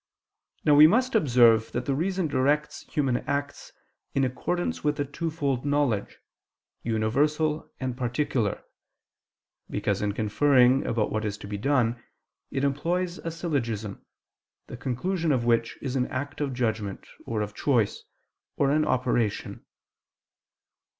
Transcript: Now we must observe that the reason directs human acts in accordance with a twofold knowledge, universal and particular: because in conferring about what is to be done, it employs a syllogism, the conclusion of which is an act of judgment, or of choice, or an operation.